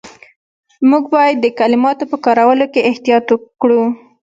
موږ باید د کلماتو په کارولو کې احتیاط وکړو.